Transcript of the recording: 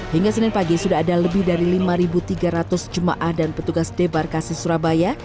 hingga senin pagi sudah ada lebih dari lima tiga ratus jemaah dan petugas debarkasi surabaya